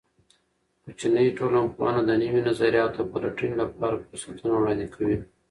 کوچنۍ ټولنپوهنه د نوي نظریاتو د پلټنې لپاره فرصتونه وړاندې کوي.